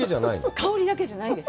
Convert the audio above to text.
香りだけじゃないです。